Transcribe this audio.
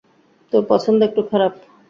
তোর পছন্দ একটু খারাপ।